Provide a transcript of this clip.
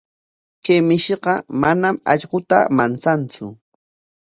Kay mishiqa manam allquta manchantsu.